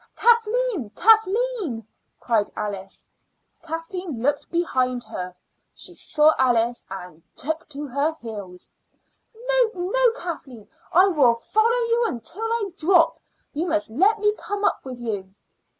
"Kathleen, Kathleen!" cried Alice. Kathleen looked behind her. She saw Alice, and took to her heels. "No, no, Kathleen; I will follow you until I drop. You must let me come up with you."